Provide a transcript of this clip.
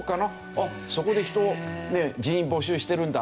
「あっそこで人員募集しているんだ」。